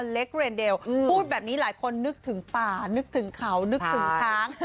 เล็กเรนเดลพูดแบบนี้หลายคนนึกถึงป่านึกถึงเขานึกถึงช้าง